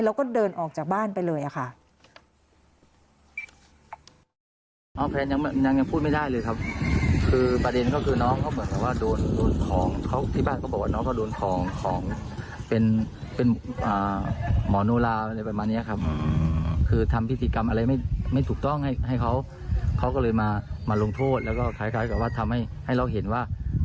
แล้วก็เดินออกจากบ้านไปเลยค่ะ